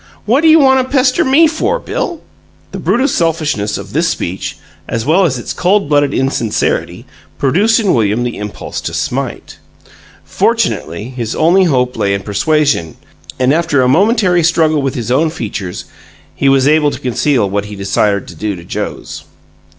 What you want to pester ME for, Bill?" The brutal selfishness of this speech, as well as its cold blooded insincerity, produced in William the impulse to smite. Fortunately, his only hope lay in persuasion, and after a momentary struggle with his own features he was able to conceal what he desired to do to Joe's.